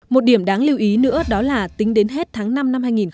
một điểm đáng lưu ý nữa đó là tính đến hết tháng năm năm hai nghìn một mươi sáu